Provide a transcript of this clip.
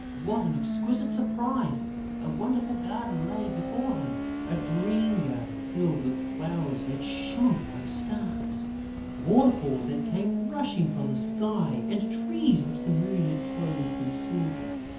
What an exquisite surprise! A wonderful garden lay before him, a dream garden filled with flowers that shone like stars, waterfalls that came rushing from the sky and trees which the moon had clothed in silver.